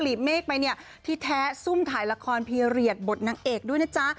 และซุ่มถ่ายละครพีเหรียดบทนางเอกด้วยนะจ๊ะ